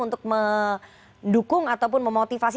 untuk mendukung ataupun memotivasi